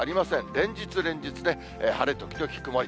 連日連日ね、晴れ時々曇り。